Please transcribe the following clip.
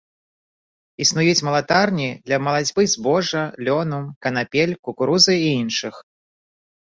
Існуюць малатарні для малацьбы збожжа, лёну, канапель, кукурузы і іншых.